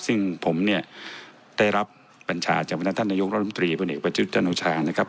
ซึ่งผมเนี่ยได้รับปัญชาจากวัฒนธนายุรัฐมนตรีบริเวศจุษย์จันทราชานะครับ